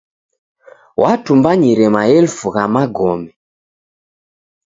Watumbanyire maelfu gha magome.